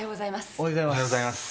おはようございます。